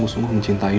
lu jangan nyarang